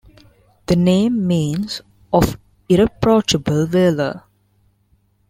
The name means "of irreproachable valor".